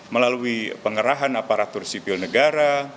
melalui pengerahan aparatur sipil negara